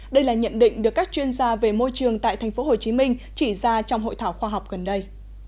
đây là nhận định được các chuyên gia về môi trường tại tp hcm chỉ ra trong hội thảo khoa học gần đây